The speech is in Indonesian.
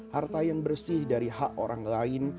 harta yang bersih dari hak orang lain